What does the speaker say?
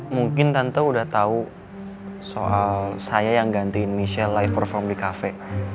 mungkin tante udah tau soal saya yang gantiin michelle live perform di cafe